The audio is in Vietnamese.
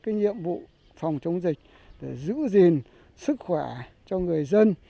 nhiệm vụ phòng chống dịch giữ gìn sức khỏe cho người dân